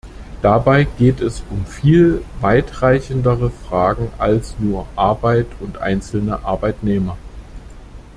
Dabei geht es um viel weitreichendere Fragen als nur Arbeit und einzelne Arbeitnehmer.